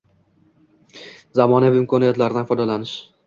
Zamonaviy imkoniyatlardan foydalanish